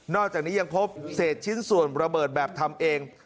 อกจากนี้ยังพบเศษชิ้นส่วนระเบิดแบบทำเอง